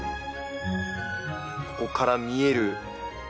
ここから見えるもうね